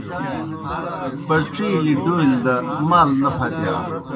بڇِیلیْ ڈولیْ دہ مال نہ پھتِیا۔